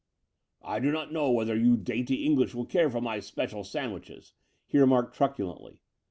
"I do not know whether you dainty EngUsh will care for my special sandwiches," he remarked truculently.